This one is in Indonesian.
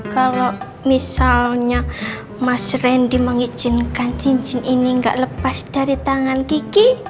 kalau misalnya mas randy mengizinkan cincin ini nggak lepas dari tangan kiki